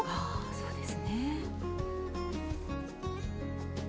そうですね。